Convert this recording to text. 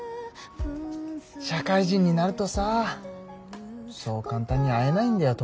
社会人になるとさそう簡単に会えないんだよ